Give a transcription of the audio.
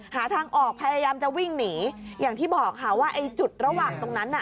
หาทางออกพยายามจะวิ่งหนีอย่างที่บอกค่ะว่าไอ้จุดระหว่างตรงนั้นน่ะ